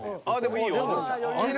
あっでもいいよ。